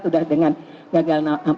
sudah dengan gagal nafas